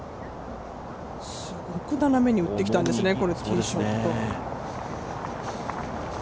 すごく斜めに打ってきたんですね、ティーショット。